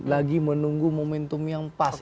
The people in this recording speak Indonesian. lagi menunggu momentum yang pas